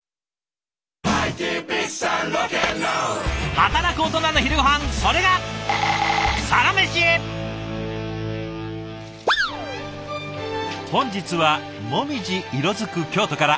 働くオトナの昼ごはんそれが本日は紅葉色づく京都から。